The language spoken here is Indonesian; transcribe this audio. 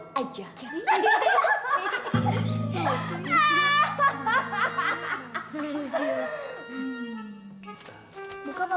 mau tahu saja